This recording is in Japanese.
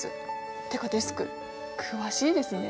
ってかデスク詳しいですね。